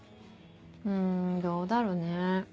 うんどうだろうね。